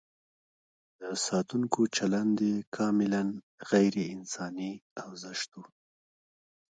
د ساتونکو چلند یې کاملاً غیر انساني او زشت و.